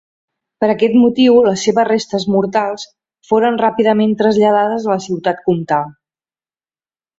Per aquest motiu, les seves restes mortals foren ràpidament traslladades a la ciutat comtal.